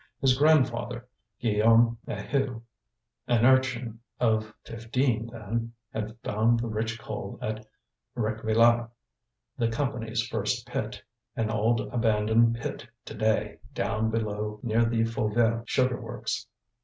His grandfather, Guillaume Maheu, an urchin of fifteen then, had found the rich coal at Réquillart, the Company's first pit, an old abandoned pit to day down below near the Fauvelle sugar works.